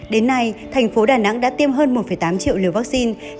đến nay thành phố đà nẵng đã tiêm hơn một tám triệu liều vaccine